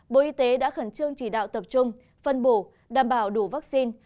bộ y tế đã khẩn trương chỉ đạo tập trung phân bổ đảm bảo đủ vaccine